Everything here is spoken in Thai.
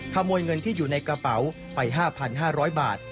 ขโมยเงินที่อยู่ในกระเป๋าไป๕๕๐๐บาท